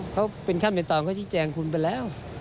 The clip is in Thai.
เขาเป็นขั้นเป็นตอนเขาชี้แจงคุณไปแล้ว